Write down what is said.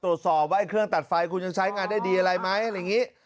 ปรสอบไว้เครื่องตัดไฟคุณจะใช้งานได้ดีไงอะไรอะไรแบบนี้